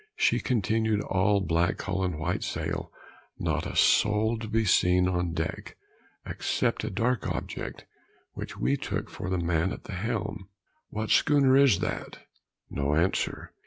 She continued all black hull and white sail, not a soul to be seen on deck, except a dark object which we took for the man at the helm. "What schooner is that?" No answer.